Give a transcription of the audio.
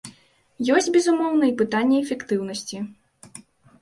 Ёсць, безумоўна, і пытанні эфектыўнасці.